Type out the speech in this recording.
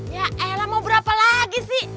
ya ella mau berapa lagi sih